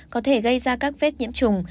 có thể gây ra các vết nhiễm trùng